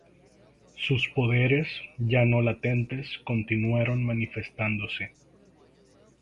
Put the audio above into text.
Sus poderes, ya no latentes, continuaron manifestándose.